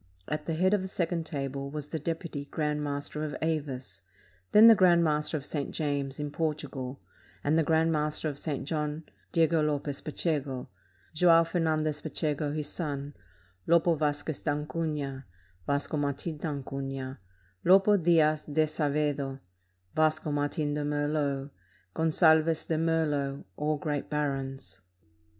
At the head of the second table was the deputy grand master of Avis: then the grand master of St. James, in Portugal, and the grand master of St. John, Diego Lopez Pacheco, Joao Fer nandez Pacheco his son, Lopo Vasquez d'Acunha, Vasco Martin d'Acunha, Lopo Diaz d'Azevedo, Vasco Martin de Merlo, Gonzalves de Meflo, all great barons.